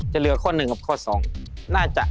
จะเหลือข้อ๑กับข้อ๒น่าจะ